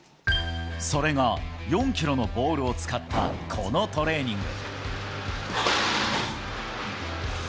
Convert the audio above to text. それが４キロのボールを使ったこのトレーニング。